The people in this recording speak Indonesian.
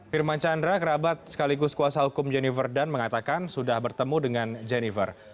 firman chandra kerabat sekaligus kuasa hukum jennifer dunn mengatakan sudah bertemu dengan jennifer